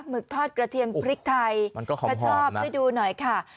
หมึกทอดกระเทียมพริกไทยมันก็หอมนะชอบช่วยดูหน่อยค่ะ